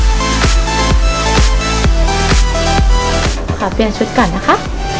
ขอเปลี่ยนชุดก่อนนะคะ